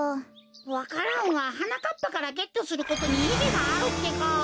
わか蘭ははなかっぱからゲットすることにいぎがあるってか。